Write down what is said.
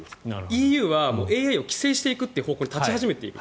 ＥＵはＡＩを規制していく方向に立ち始めている。